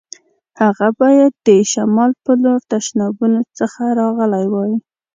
هغه باید د شمال په لور تشنابونو څخه راغلی وای.